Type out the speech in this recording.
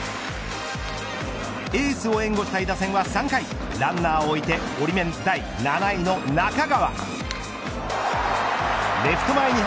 エースを援護したい打線は３回ランナーを置いてオリメン第７位の中川。